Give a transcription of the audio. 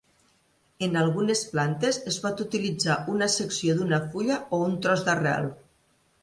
En algunes plantes, es pot utilitzar una secció d'una fulla o un tros d'arrel.